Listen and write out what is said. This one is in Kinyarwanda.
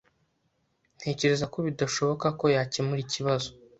Ntekereza ko bidashoboka ko yakemura ikibazo.